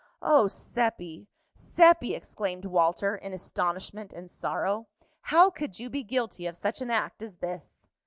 "Oh, Seppi! Seppi!" exclaimed Walter, in astonishment and sorrow, "how could you be guilty of such an act as this!"